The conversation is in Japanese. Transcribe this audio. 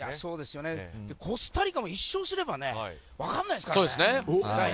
コスタリカも１勝すれば分からないですからね。